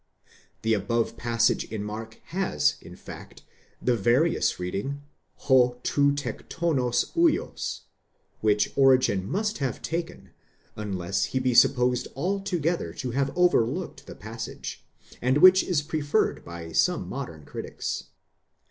5 The above passage in Mark has, in fact, the various reading, 6 τοῦ τέκτονος vids, which Origen must have taken, unless he: be supposed altogether to have overlooked the passage, and which is preferred by some modern critics.